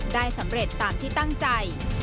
ได้สำเร็จตามที่ตั้งใจ